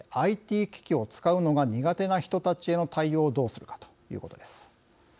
ＩＴ機器を使うのが苦手な人たちへの対応をどうするかということです。